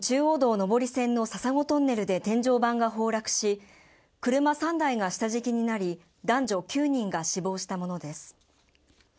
上り線の笹子トンネルで天井板が崩落し車３台が下敷きになり男女９人が死亡したものです